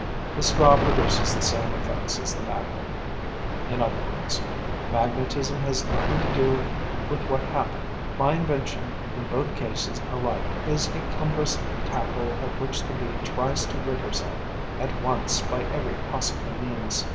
The straw produces the same effects as the magnet, in other words, magnetism had nothing to do with what happened. My invention, in both cases alike, is a cumbrous tackle of which the Bee tries to rid herself at once by every possible means.